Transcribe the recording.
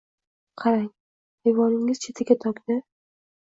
Qarang, ayvoningiz chetiga tongda